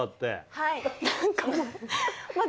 はい。